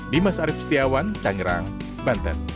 dimas arief setiawan tangerang banten